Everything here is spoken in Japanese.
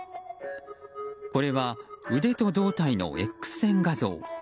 これは腕と胴体のＸ線画像。